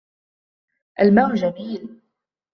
الماء جميل.